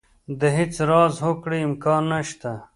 د هېڅ راز هوکړې امکان نه شته.